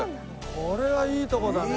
これはいいとこだね。